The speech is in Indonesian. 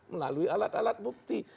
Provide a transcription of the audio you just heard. melalui alat alat bukti